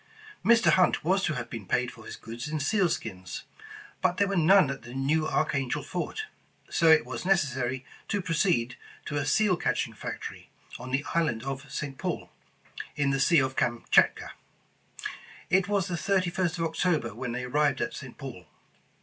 Mr. Hunt was to have been paid for his goods in seal skins, but there were none at the New Archangel fort, so it was necessarj^ to proceed to a seal catching factory, on the island of St. Paul, in 214 England's Trophy the sea of Kamchatka. It was the 31st of October when they arrived at St. Paul.